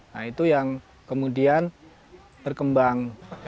nah itu yang kemudian berkembang